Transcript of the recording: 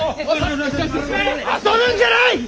遊ぶんじゃない！